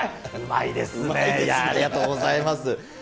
いやー、ありがとうございます。